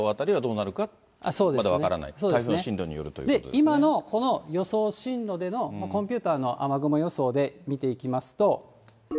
今のこの予想進路でのコンピューターの雨雲予想で見ていきますと。